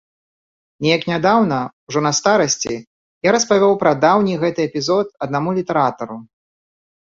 Неяк нядаўна, ужо на старасці, я распавёў пра даўні гэты эпізод аднаму літаратару.